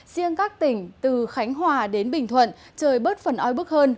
riêng các tỉnh từ khánh hòa đến bình thuận trời bớt phần oi bức hơn